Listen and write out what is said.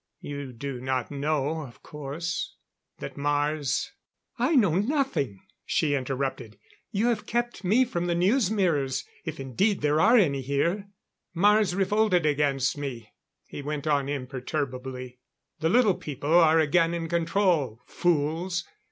You do not know, of course, that Mars " "I know nothing," she interrupted. "You have kept me from the news mirrors, if indeed there are any here " "Mars revolted against me," he went on imperturbably. "The Little People are again in control. Fools!